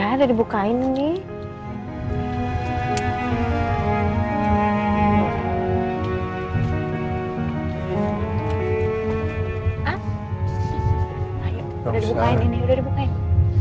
udah di bukain ini udah di bukain